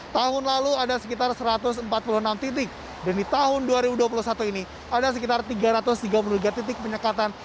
tahun lalu ada sekitar satu ratus empat puluh enam titik dan di tahun dua ribu dua puluh satu ini ada sekitar tiga ratus tiga puluh tiga titik penyekatan